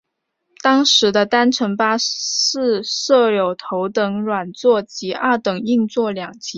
当时的单层巴士设有头等软座及二等硬座两级。